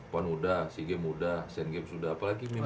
puan muda cg muda cng sudah apalagi mimpinya